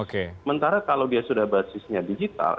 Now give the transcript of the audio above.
sementara kalau dia sudah basisnya digital